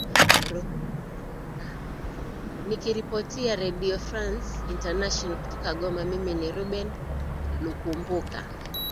nikiripotia redio france international kutoka goma mimi ni reuben lukumbuka